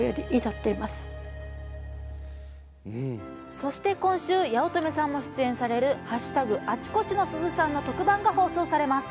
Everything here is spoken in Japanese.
そして今週八乙女さんも出演される「＃あちこちのすずさん」の特番が放送されます。